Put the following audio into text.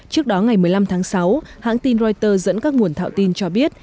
trước đó ngày một mươi năm tháng sáu hãng tin reuters dẫn các nguồn thạo tin cho biết